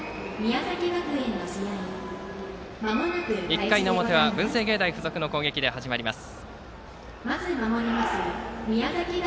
１回の表は文星芸大付属の攻撃で始まります。